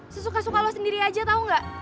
sesuka suka lo sendiri aja tau gak